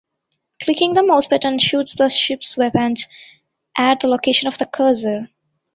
Clicking the mouse button shoots the ship's weapons at the location of the cursor.